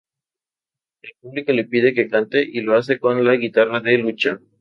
El público le pide que cante y lo hace con la guitarra de Lucha.